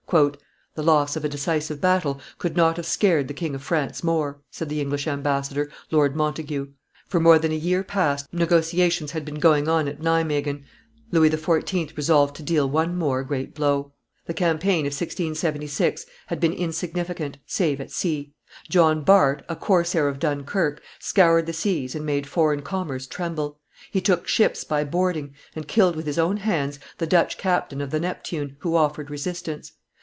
"The loss of a decisive battle could not have scared the King of France more," said the English ambassador, Lord Montagu. For more than a year past negotiations had been going on at Nimeguen; Louis XIV. resolved to deal one more great blow. [Illustration: An Exploit of John Bart's 446] The campaign of 1676 had been insignificant, save at sea. John Bart, a corsair of Dunkerque, scoured the seas and made foreign commerce tremble; he took ships by boarding, and killed with his own hands the Dutch captain of the Neptune, who offered resistance.